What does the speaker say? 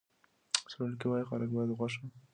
څېړونکي وايي خلک باید غوښه په عادي اندازه وخوري.